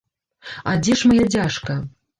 А дзе ж мая дзяжка?